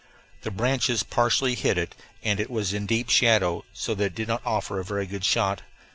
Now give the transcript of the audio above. The branches partially hid it, and it was in deep shadow, so that it did not offer a very good shot.